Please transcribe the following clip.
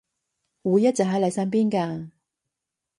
會一直喺你身邊㗎